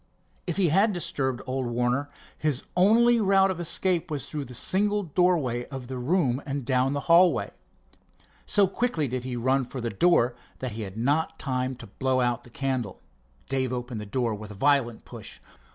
If he had disturbed old Warner, his only route of escape was through the single doorway of the room and down the hallway. So quickly did he run for the door that he had not time to blow out the candle. Dave opened the door with a violent push.